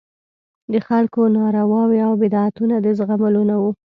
د خلکو نارواوې او بدعتونه د زغملو نه وو.